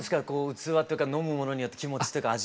器というか飲むものによって気持ちというか味。